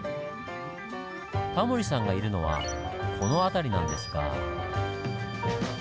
タモリさんがいるのはこの辺りなんですが。